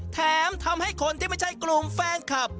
แถมทำให้คนที่ไม่ใช่กลุ่มแฟนคลับ